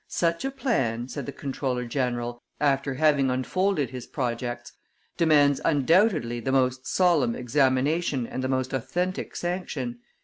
"Such a plan," said the comptroller general, after having unfolded his projects, "demands undoubtedly the most solemn examination and the most authentic sanction.